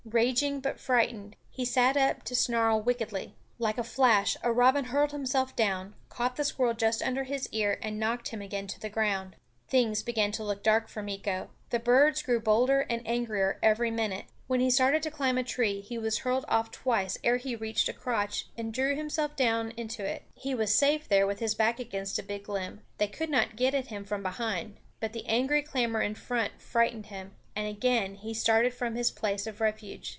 Raging but frightened, he sat up to snarl wickedly. Like a flash a robin hurled himself down, caught the squirrel just under his ear and knocked him again to the ground. Things began to look dark for Meeko. The birds grew bolder and angrier every minute. When he started to climb a tree he was hurled off twice ere he reached a crotch and drew himself down into it. He was safe there with his back against a big limb; they could not get at him from behind. But the angry clamor in front frightened him, and again he started for his place of refuge.